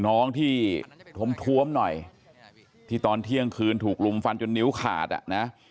น้องที่ท้มท้วมหน่อยที่ตอนเที่ยงคืนถูกลุมฟันจนนิ้วขาดอ่ะนะ